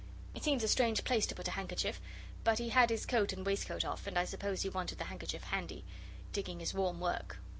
It seems a strange place to put a handkerchief, but he had his coat and waistcoat off and I suppose he wanted the handkerchief handy. Digging is warm work.